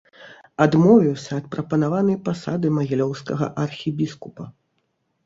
Адмовіўся ад прапанаванай пасады магілёўскага архібіскупа.